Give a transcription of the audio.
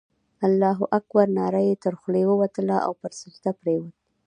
الله اکبر ناره یې تر خولې ووتله او پر سجده پرېوت.